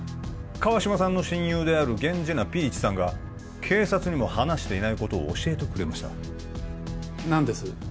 川島さんの親友である源氏名ピーチさんが警察にも話していないことを教えてくれました何です？